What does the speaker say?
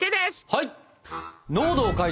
はい！